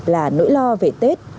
là nỗi lo về tết